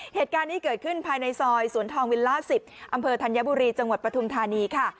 เหตุการณ์นี้เกิดขึ้นภายในซอยสวนทองวิลล่า๑๐อำเภอธัญบุรีจังหวัดปฐุมธานีค่ะ